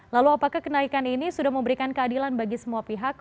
lalu apakah kenaikan ini sudah memberikan keadilan bagi semua pihak